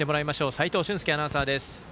齋藤舜介アナウンサーです。